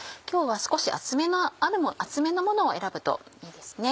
今日は少し厚めのものを選ぶといいです。